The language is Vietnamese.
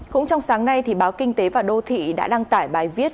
cũng trong sáng nay báo kinh tế và đô thị đã đăng tải bài viết